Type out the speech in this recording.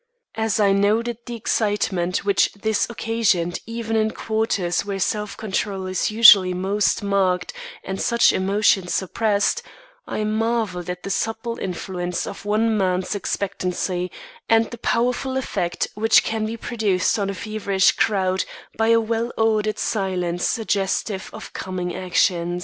As I noted the excitement which this occasioned even in quarters where self control is usually most marked and such emotions suppressed, I marvelled at the subtle influence of one man's expectancy, and the powerful effect which can be produced on a feverish crowd by a well ordered silence suggestive of coming action.